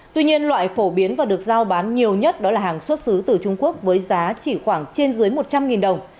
tuy nhiên loại phổ biến và được giao bán nhiều nhất đó là hàng xuất xứ từ trung quốc với giá chỉ khoảng trên dưới một trăm linh đồng